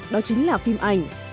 đó chính là phim ảnh